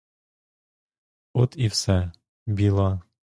От і все, біла.